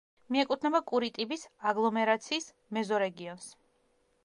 მიეკუთვნება კურიტიბის აგლომერაციის მეზორეგიონს.